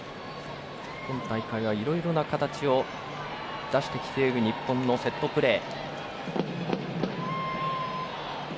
今大会はいろいろな形を出してきている日本のセットプレー。